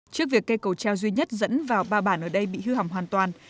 trước việc cây cầu treo duy nhất dẫn vào ba bản ở đây bị hư hỏng hoàn toàn